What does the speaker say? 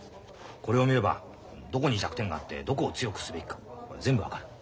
これを見ればどこに弱点があってどこを強くすべきか全部分かる。